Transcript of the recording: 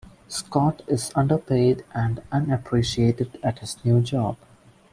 Scott is underpaid and unappreciated at his new job.